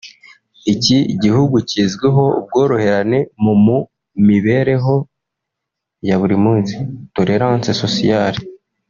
Iki gihugu kizwiho ubworoherane mu mu mibereho ya buri munsi (tolérance sociale)